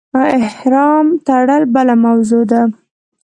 احرام تړل بله موضوع ده.